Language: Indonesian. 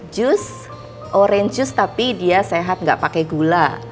jus orange juice tapi dia sehat gak pake gula